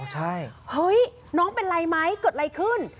ใช่เฮ้ยน้องเป็นไรไหมเกิดอะไรขึ้น